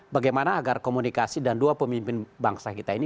bagaimana agar komunikasi dan dua pemimpin bangsa kita ini